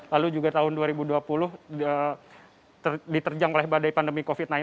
lalu juga tahun dua ribu dua puluh diterjang oleh badai pandemi covid sembilan belas